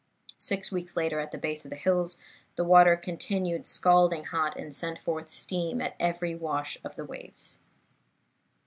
Six weeks later, at the base of the hills, the water continued scalding hot, and sent forth steam at every wash of the waves."